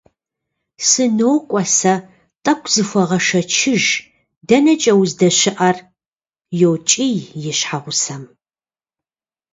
- СынокӀуэ сэ, тӀэкӀу зыхуэгъэшэчыж, дэнэкӀэ уздэщыӀэр? - йокӀий и щхьэгъусэм.